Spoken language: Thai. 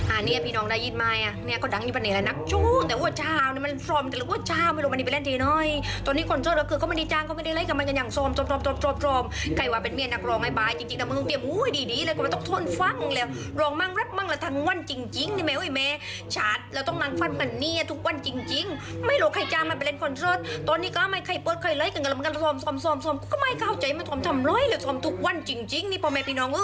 อ่าเนี้ยพี่น้องได้ยินไหมอ่ะเนี้ยเขาดังอยู่บ้านไหนแหละนักช่วงแต่วันเช้าเนี้ยมันทรอมแต่วันเช้าไม่รู้มันนี่ไปเล่นทีน้อยตอนนี้คนเจ้าแล้วคือเขาไม่ได้จางเขาไม่ได้ไลก์กับมันกันอย่างสอมสอมสอมสอมสอมสอมสอมสอมสอมสอมสอมสอมสอมสอมสอมสอมสอมสอมสอมสอมสอมสอมสอมสอมสอมสอมสอมสอ